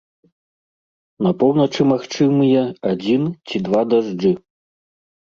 На поўначы магчымыя адзін ці два дажджы.